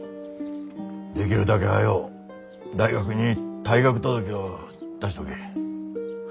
できるだけ早う大学に退学届ょお出しとけ。